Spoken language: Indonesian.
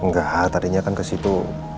enggak tadinya kan kesitu